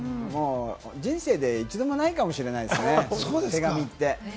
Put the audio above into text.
人生で一度もないかもしれないですね、手紙って。